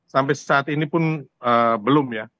sampai saat ini pun belum ya